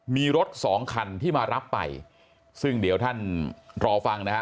มีรถสองคันที่มารับไปซึ่งเดี๋ยวท่านรอฟังนะฮะ